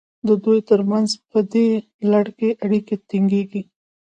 د دوی ترمنځ په دې لړ کې اړیکې ټینګیږي.